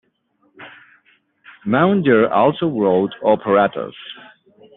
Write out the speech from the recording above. Maunder also wrote operettas.